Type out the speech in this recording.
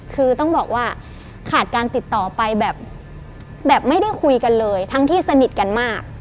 คือต้องบอกว่าขาดการติดต่อไปแบบไม่ได้คุยกันเลยทั้งที่สนิทกันมาก